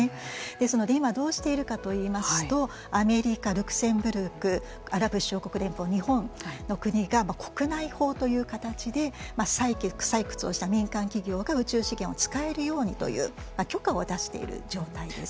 ですので今どうしているかといいますとアメリカルクセンブルクアラブ首長国連邦日本の国が国内法という形で採掘をした民間企業が宇宙資源を使えるようにという許可を出している状態です。